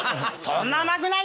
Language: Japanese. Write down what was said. そんな。